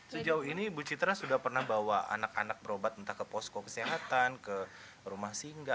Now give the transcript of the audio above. sejauh ini ibu citra sudah pernah bawa anak anak berobat entah ke posko kesehatan ke rumah singgah